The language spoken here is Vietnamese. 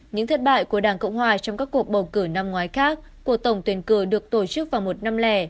những thất bại của đảng cộng hòa trong các cuộc bầu cử năm ngoái khác của tổng tuyển cử được tổ chức vào một năm lẻ